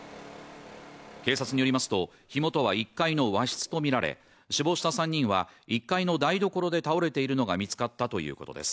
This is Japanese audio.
警察によりますと、火元は１階の和室とみられ死亡した３人は１階の台ところで倒れているのが見つかったということです。